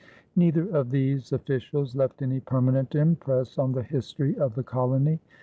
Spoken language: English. Neither of these officials left any permanent impress on the history of the colony.